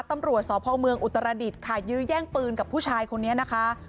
ตำรวจสเภาว์เมืองอุตรณณ์อุตรรณดิดขายือยี้แย่งปืนกับผู้ชายคนนี้นะคะ